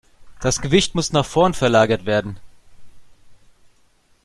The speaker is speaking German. Das Gewicht muss nach vorn verlagert werden.